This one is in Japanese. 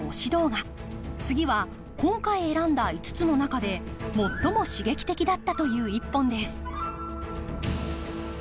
次は今回選んだ５つの中で最も刺激的だったという１本です。